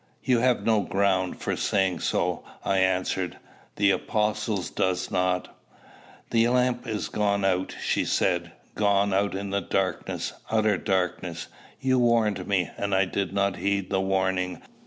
"You have no ground for saying so," I answered. "The apostle does not." "My lamp is gone out," she said; "gone out in darkness, utter darkness. You warned me, and I did not heed the warning.